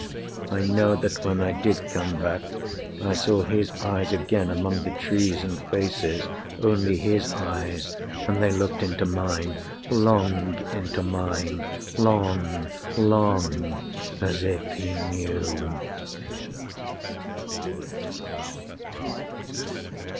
I know that when I did come back, I saw His eyes again among the trees and faces Only His eyes; and they looked into mine Long into mine long, long, as if He knew."